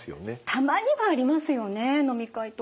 たまにはありますよね飲み会とか。